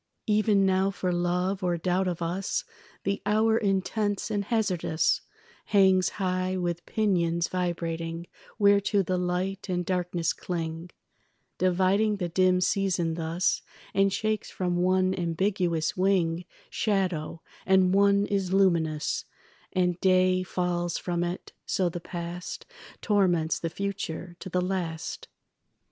Even now for love or doubt of us The hour intense and hazardous Hangs high with pinions vibrating Whereto the light and darkness cling, Dividing the dim season thus, And shakes from one ambiguous wing Shadow, and one is luminous, And day falls from it; so the past Torments the future to the last.